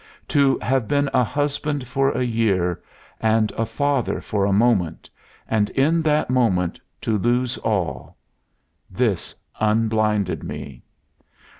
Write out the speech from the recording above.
To have been a husband for a year, and a father for a moment, and in that moment to lose all this unblinded me.